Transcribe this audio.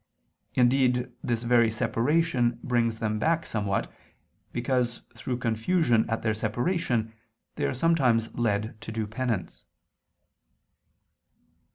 Indeed this very separation brings them back somewhat, because through confusion at their separation, they are sometimes led to do penance.